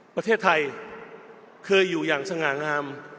ประเทศไทยเคยอยู่อย่างสง่างาม